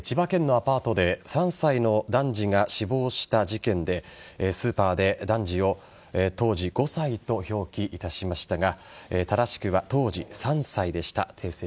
千葉県のアパートで３歳の男児が死亡した事件でスーパーで、男児を当時５歳と表記いたしましたが正しくは当時３歳でした。